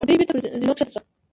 بوډۍ بېرته پر زينو کښته شوه.